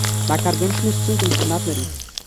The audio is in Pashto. دا کار ګڼ شمېر ستونزې او مشکلات لري